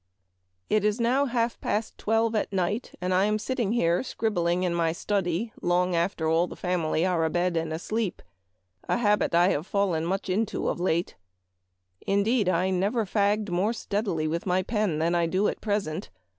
" It is now half past twelve at night, and I am sitting here scribbling in my study long after all the family are abed and asleep, a habit I have fallen much into of late. Indeed, I never fagged more steadily with my pen than I do at present.